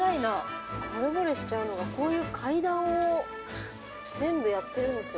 ほれぼれしちゃうのがこういう階段を全部やってるんですよ。